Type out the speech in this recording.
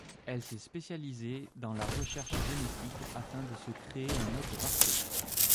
Elle s'est spécialisée dans la recherche génétique afin de se créer un hôte parfait.